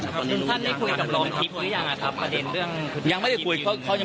คุณท่านได้คุยกับรองทิพย์หรือยังอ่ะครับประเด็นเรื่องคุณทิพย์จริงหรือยัง